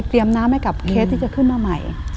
น้ำให้กับเคสที่จะขึ้นมาใหม่